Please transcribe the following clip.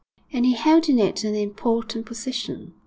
and he held in it an important position.